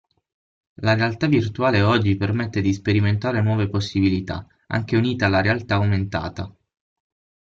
La realtà virtuale oggi permette di sperimentare nuove possibilità, anche unita alla realtà aumentata.